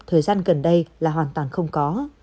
thời gian gần đây là hoàn toàn không có